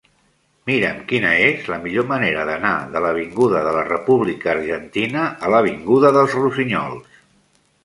Mira'm quina és la millor manera d'anar de l'avinguda de la República Argentina a l'avinguda dels Rossinyols.